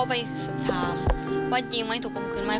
พ่อไปฝึกถามว่าจริงไม่ถูกตรงคืนไหม